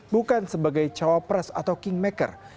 bukan sebagai cawapres atau kingmaker